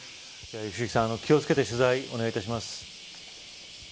良幸さん気を付けて取材、お願いします。